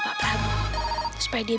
bapak mau air